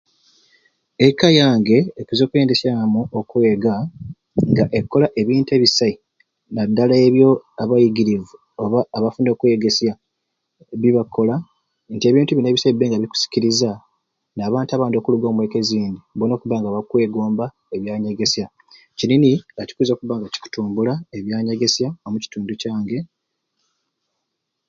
Eka yange ekwiza okwendesyamu okwega ng'ekukola ebintu ebisai nadala ebyo abayigirivu oba abafunire okwegesya byebakola nti ebintu bini ebisai bibbe nga bikusikiriza n'abantu abandi okuluga omweka ezindi boona okuba nga bakwegomba ebyanyegesya, kini ni kikwiza okubba nga kikutumbula ebyanyegesya omu Kitundu kyange.